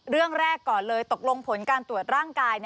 เรื่องแรกก่อนเลยตกลงผลการตรวจร่างกาย